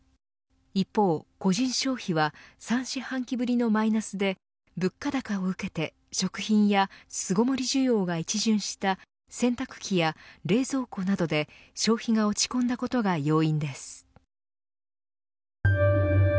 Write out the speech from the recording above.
一方、個人消費は３四半期ぶりのマイナスで物価高を受けて、食品や巣ごもり需要が一巡した洗濯機や冷蔵庫などで消費が落ち込んだことが要因です。